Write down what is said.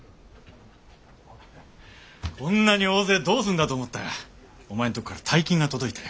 こんなに大勢どうすんだと思ったがお前んとこから大金が届いたよ。